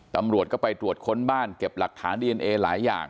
ตำรวจก็ไปตรวจค้นบ้านเก็บหลักฐานดีเอนเอหลายอย่าง